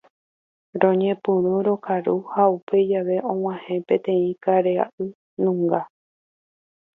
Roñepyrũ rokaru ha upe jave og̃uahẽ peteĩ karainunga.